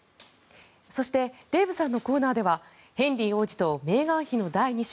そしてデーブさんのコーナーではヘンリー王子とメーガン妃の第２子